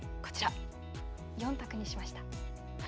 ４択にしました。